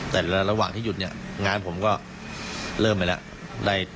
แต่ระหว่างที่หยุดเนี่ยงานผมก็เริ่มไปแล้ว